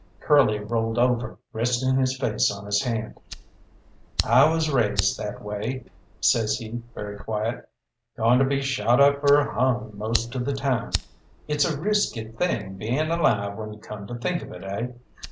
Curly rolled over, resting his face on his hand. "I was raised that way," says he very quiet, "goin' to be shot up or hung most of the time. It's a risky thing bein' alive when you come to think of it, eh?